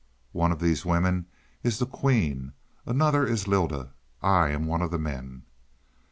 One of these women is the queen; another is Lylda. I am one of the men.